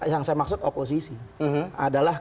yang saya maksud oposisi adalah